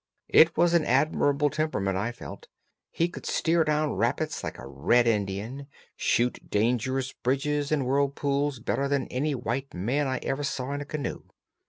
It was an admirable temperament, I felt; he could steer down rapids like a red Indian, shoot dangerous bridges and whirlpools better than any white man I ever saw in a canoe.